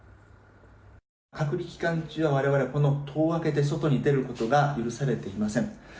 隔離期間中は我々戸を開けて外に出ることが許されていません。